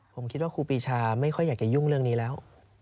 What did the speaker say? ผมคิดว่าครูปีชาไม่ค่อยอยากจะยุ่งเรื่องนี้แล้ว